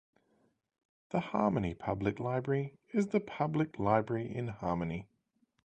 The Harmony Public Library is the public library in Harmony.